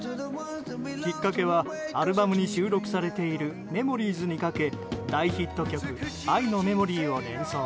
きっかけはアルバムに収録されている「Ｍｅｍｏｒｉｅｓ」にかけ大ヒット曲「愛のメモリー」を連想。